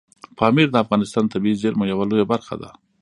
پامیر د افغانستان د طبیعي زیرمو یوه لویه برخه ده.